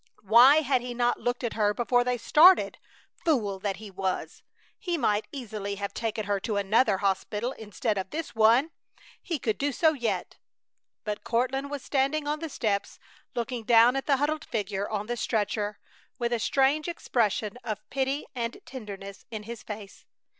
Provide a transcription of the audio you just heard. Why had he not looked at her before they started? Fool that he was! He might easily have taken her to another hospital instead of this one. He could do so yet. But Courtland was standing on the steps, looking down at the huddled figure on the stretcher, with a strange expression of pity and tenderness in his face.